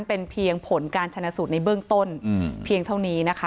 เป็นเพียงผลการชนะสูตรในเบื้องต้นเพียงเท่านี้นะคะ